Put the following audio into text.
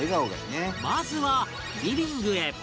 まずはリビングへ